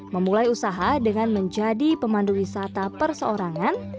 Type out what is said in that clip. memulai usaha dengan menjadi pemandu wisata perseorangan